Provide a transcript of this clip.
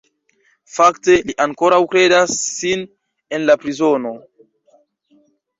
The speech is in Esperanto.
Fakte, li ankoraŭ kredas sin en la prizono.